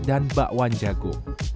dan bakwan jagung